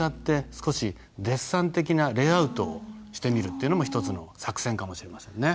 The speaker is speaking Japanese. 少しデッサン的なレイアウトをしてみるっていうのも一つの作戦かもしれませんね。